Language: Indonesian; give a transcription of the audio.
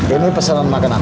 ini pesanan makanan